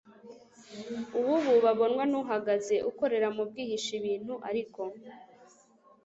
uwububa abonwa n uhagaze ukorera mu bwihisho ibintu ariko